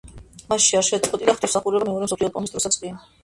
მასში არ შეწყვეტილა ღვთისმსახურება მეორე მსოფლიო ომის დროსაც კი.